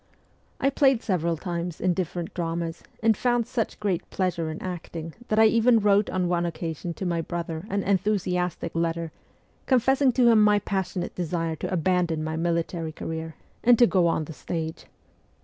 I played several times in different dramas, and found such great pleasure in acting that I even wrote on one occasion to my brother an enthusiastic letter confessing to him my passionate desire to abandon my military career and to go on the stage.